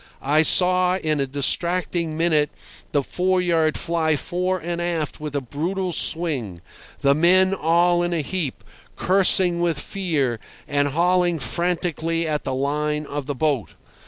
I saw in a distracting minute the foreyard fly fore and aft with a brutal swing, the men all in a heap, cursing with fear, and hauling frantically at the line of the boat.